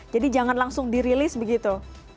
jadi jangan langsung dirilis begitu